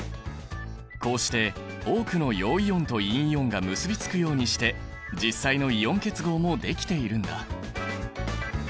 こうして多くの陽イオンと陰イオンが結びつくようにして実際のイオン結合もできているんだ。